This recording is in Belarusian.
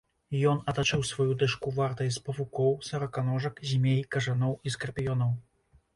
Ён атачыў сваю дачку вартай з павукоў, сараканожак, змей, кажаноў і скарпіёнаў.